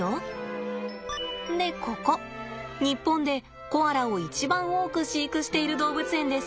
でここ日本でコアラを一番多く飼育している動物園です。